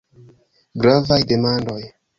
Gravaj demandoj.